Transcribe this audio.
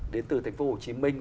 đến từ thành phố hồ chí minh